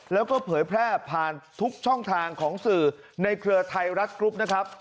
แล้วก็เผยแพร่ผ่านทุกช่องทางของสื่อในเครือไทยรัฐกรุ๊ปนะครับ